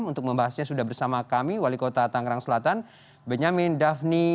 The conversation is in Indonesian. untuk membahasnya sudah bersama kami wali kota tangerang selatan benyamin dhafni